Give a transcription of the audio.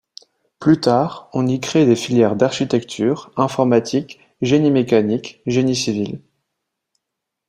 Plus tard on y crée des filières d'architecture, informatique, génie mécanique, génie civil...